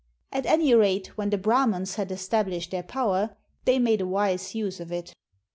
At any rate, when the Brahmans had established their power, they made a wise use of it.